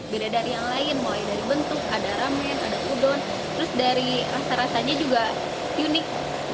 beda dari yang lain mulai dari bentuk ada ramen ada udon terus dari rasa rasanya juga unik